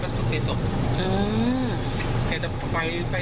พูดจาน่ารักคุณยาย